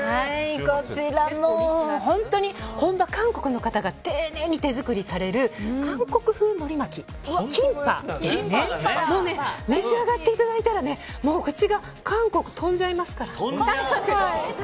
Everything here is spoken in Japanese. こちらも本当に本場韓国の方が丁寧に手作りされる韓国風のり巻きキンパ。召し上がっていただいたら口が韓国に飛んじゃいますから。